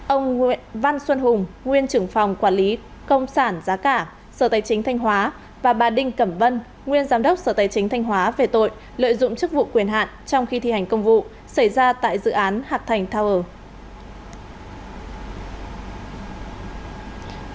ông văn xuân hùng nguyên trưởng phòng quản lý công sản giá cả sở tài chính thanh hóa và bà đinh cẩm vân nguyên giám đốc sở tài chính thanh hóa về tội lợi dụng chức vụ quyền hạn trong khi thi hành công vụ xảy ra tại dự án hạc thành tower